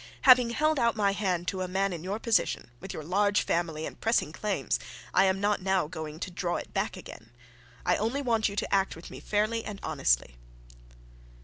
Having held out my hand to a man in your position, with your large family and pressing claims, I am not now going to draw it back again. I only want you to act with me fairly and honestly.'